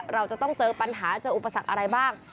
เราจะต้องเจอปัญหาเจออุปสรรคอะไรบ้าง